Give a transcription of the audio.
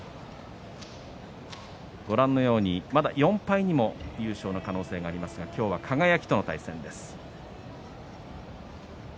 ご覧のようにまだ４敗にも優勝の可能性がありますが今日は輝との対戦です。